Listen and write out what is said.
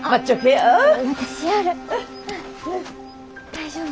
大丈夫？